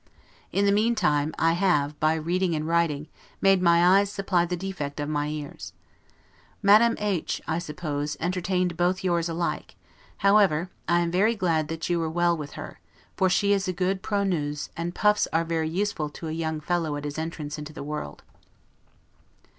In the meantime, I have, by reading and writing, made my eyes supply the defect of my ears. Madame H , I suppose, entertained both yours alike; however, I am very glad that you were well with her; for she is a good 'proneuse', and puffs are very useful to a young fellow at his entrance into the world.